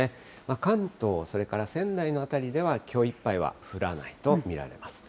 関東、それから仙台の辺りでは、きょういっぱいは降らないと見られます。